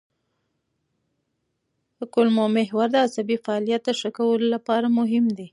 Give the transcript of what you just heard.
کولمو محور د عصبي فعالیت ښه کولو لپاره مهم دی.